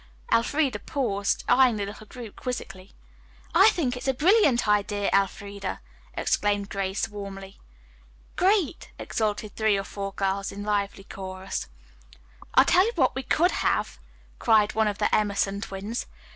Elfreda paused, eyeing the little group quizzically. "I think that's a brilliant idea, Elfreda!" exclaimed Grace warmly. "Great!" exulted three or four girls, in lively chorus. "I'll tell you what we could have," cried one of the Emerson twins.